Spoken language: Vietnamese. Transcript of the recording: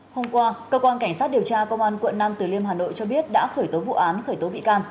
hôm qua cơ quan cảnh sát điều tra công an quận nam từ liêm hà nội cho biết đã khởi tố vụ án khởi tố bị can